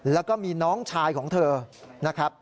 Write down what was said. แล้วก็มีน้องชายของเธอนะครับ